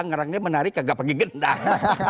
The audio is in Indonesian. orangnya menarik tidak pakai gendang